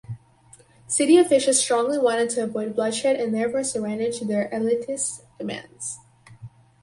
City officials strongly wanted to avoid bloodshed and therefore surrendered to their elitist demands.